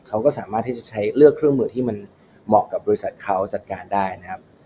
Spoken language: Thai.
เขาก็สามารถที่จะใช้เลือกเครื่องมือที่มันเหมาะกับบริษัทเขาจัดการได้นะครับ